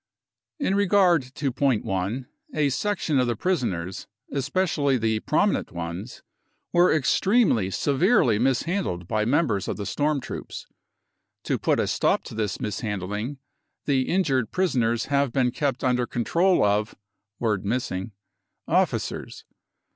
:^" In regard to point i : a section of the prisoners, especi ally the prominent ones, wer.e extremely severely mis /, handled by members of the storm troops. To put a stop to this mishandling, the injured prisoners have been kept under control of (word missing) officers.